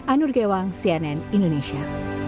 anur gewang cnn indonesia